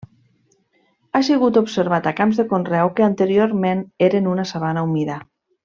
Ha sigut observat a camps de conreu que anteriorment eren una sabana humida.